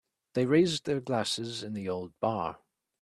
They raised their glasses in the old bar.